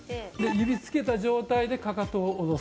指を付けた状態でかかとを下ろす。